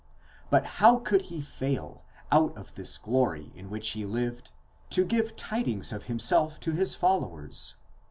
But how could he fail, out of this glory, in which he lived, to give tidings of himself to his followers